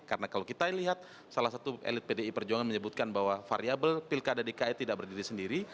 karena kalau kita lihat salah satu elit pdi perjuangan menyebutkan bahwa variable pilkada di kai tidak berdiri sendiri